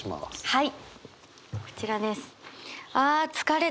はい。